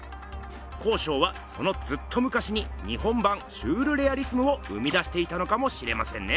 康勝はそのずっとむかしに日本版シュールレアリスムを生み出していたのかもしれませんね。